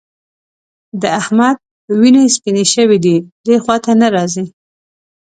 د احمد وینې سپيېنې شوې دي؛ دې خوا ته نه راځي.